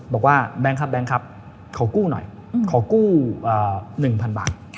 บอกว่าแบงค์ครับล่ะขอกู้หน่อยขอกู้๑๐๐๐บาท